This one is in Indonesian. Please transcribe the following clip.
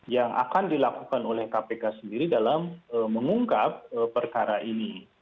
yang akan dilakukan oleh kpk sendiri dalam mengungkap perkara ini